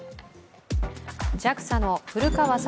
ＪＡＸＡの古川聡